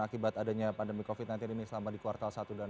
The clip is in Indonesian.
akibat adanya pandemi covid sembilan belas ini selama di kuartal satu dan dua